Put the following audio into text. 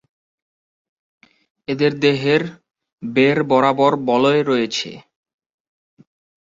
এদের দেহের বেড় বরাবর বলয় রয়েছে।